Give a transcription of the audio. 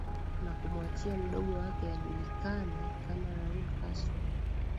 Na kumuachia mdogo wake ajulikanae kama Ràul Castro